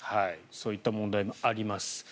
そういった問題もあります。